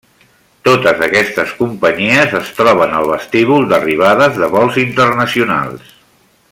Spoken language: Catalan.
Totes aquestes companyies es troben al vestíbul d'arribades de vols internacionals.